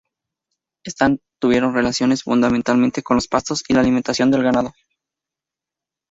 Estas estuvieron relacionadas fundamentalmente con los pastos y la alimentación del ganado.